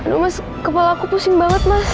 aduh mas kepala aku pusing banget mas